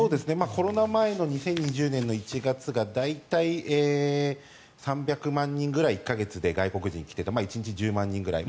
コロナ前の２０２０年の１月が大体、３００万人ぐらい１か月で外国人が来ていて１日１０万人くらい。